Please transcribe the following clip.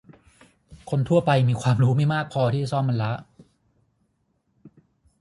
คนทั่วไปมีความรู้ไม่มากพอที่จะซ่อมมันละ